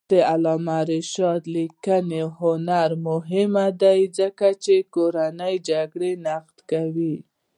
د علامه رشاد لیکنی هنر مهم دی ځکه چې کورنۍ جګړې نقد کوي.